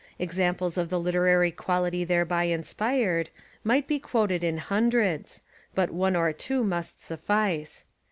Ex amples of the literary quality thereby inspired might be quoted in hundreds, but one or two must suffice.